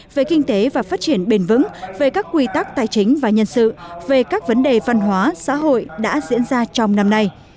về kinh tế và phát triển bền vững về các quy tắc tài chính và nhân sự về các vấn đề văn hóa xã hội đã diễn ra trong năm nay